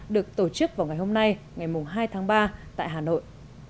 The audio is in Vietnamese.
được tổ chức vào ngày hôm nay ngày hai tháng ba tại hà nội